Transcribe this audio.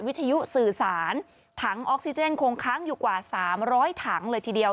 วิทยุสื่อสารถังออกซิเจนคงค้างอยู่กว่า๓๐๐ถังเลยทีเดียว